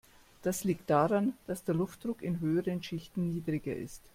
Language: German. Das liegt daran, dass der Luftdruck in höheren Schichten niedriger ist.